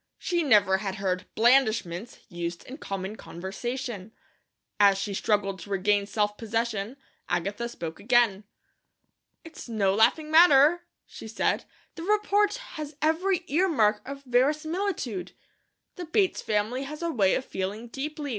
She never had heard "blandishments" used in common conversation. As she struggled to regain self possession Agatha spoke again. "It's no laughing matter," she said. "The report has every ear mark of verisimilitude. The Bates family has a way of feeling deeply.